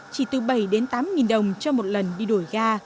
chỉ từ bảy tám nghìn đồng cho một lần đi đổi ga